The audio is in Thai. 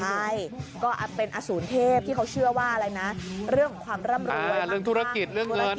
ใช่ก็เป็นอสูรเทพที่เขาเชื่อว่าอะไรนะเรื่องของความร่ำรวยเรื่องธุรกิจเรื่องเงิน